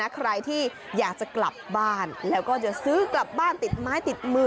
ใครที่อยากจะกลับบ้านแล้วก็จะซื้อกลับบ้านติดไม้ติดมือ